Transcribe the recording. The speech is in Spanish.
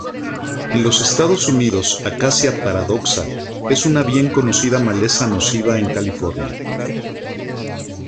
En los Estados Unidos, "Acacia paradoxa" es una bien conocida maleza nociva en California.